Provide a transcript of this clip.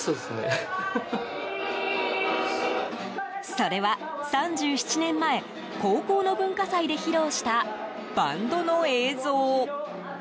それは３７年前高校の文化祭で披露したバンドの映像。